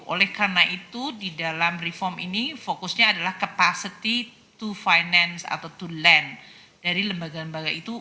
oleh karena itu di dalam reform ini fokusnya adalah capacity to finance atau to land dari lembaga lembaga itu